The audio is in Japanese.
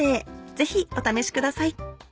ぜひお試しください